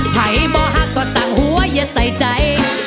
ไผ่มอหากก็สั่งหัวอย่าใส่ใจ